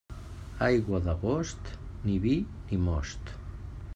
Aigua d'agost, ni vi ni most.